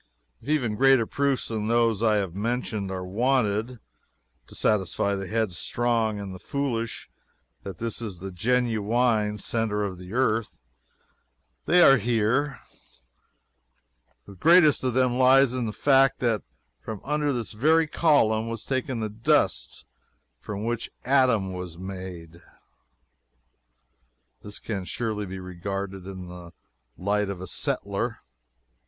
If even greater proofs than those I have mentioned are wanted, to satisfy the headstrong and the foolish that this is the genuine centre of the earth, they are here. The greatest of them lies in the fact that from under this very column was taken the dust from which Adam was made. This can surely be regarded in the light of a settler.